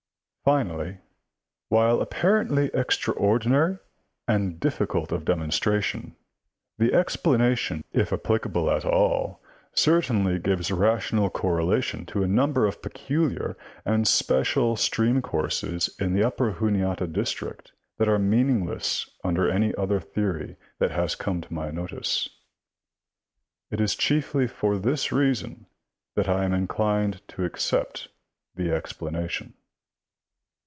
Finally, while apparently extraordinary and difficult of demonstration, the explanation if applicable at all certainly gives rational correlation to a number of peculiar and special stream courses in the upper Juniata district that are meaningless under any other theory that has come to my notice. It is chiefly for this reason that I am inclined to accept the explanation.